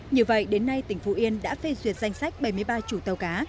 như vậy đến nay tỉnh phú yên đã phê duyệt danh sách bảy mươi ba chủ tàu cá